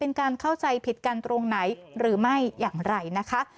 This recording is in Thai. เป็นการเข้าใจผิดกันตรงไหนหรือไม่อย่างไรนะคะ